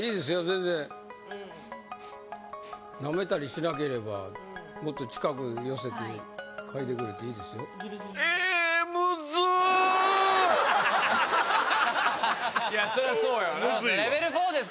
全然なめたりしなければもっと近く寄せて嗅いでくれていいですよぎりぎりまで・